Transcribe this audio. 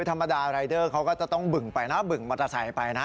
ธรรมดารายเดอร์เขาก็จะต้องบึ่งไปนะบึงมอเตอร์ไซค์ไปนะ